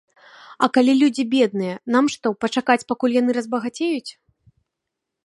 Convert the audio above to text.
А калі людзі бедныя, нам што, пачакаць, пакуль яны разбагацеюць?